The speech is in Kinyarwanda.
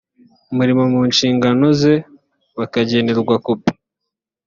umurimo mu nshingano ze bakagenerwa kopi